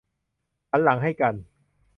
หันหลังให้กัน